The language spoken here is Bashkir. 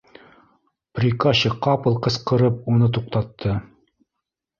Приказчик ҡапыл ҡысҡырып уны туҡтатты: